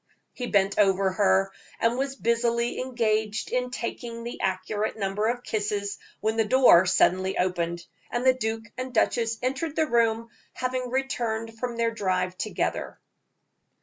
He bent over her, and was busily engaged in taking the accurate number of kisses, when the door suddenly opened, and the duke and duchess entered the room, having returned from their drive together.